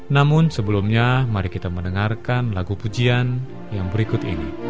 namun sebelumnya mari kita mendengarkan lagu pujian yang berikut ini